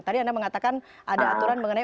tadi anda mengatakan ada aturan mengenai